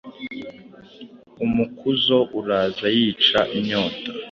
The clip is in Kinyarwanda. umukuzo uraza yica inyota